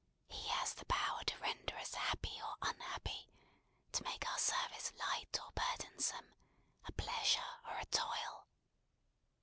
He has the power to render us happy or unhappy; to make our service light or burdensome; a pleasure or a toil.